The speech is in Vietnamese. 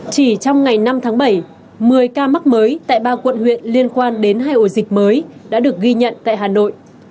chỉ trong ngày năm tháng bảy một mươi ca mắc mới tại ba quận huyện liên quan đến hai ổ dịch mới đã được ghi nhận tại hà nội